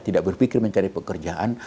tidak berpikir mencari pekerjaan